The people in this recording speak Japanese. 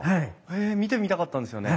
へえ見てみたかったんですよね。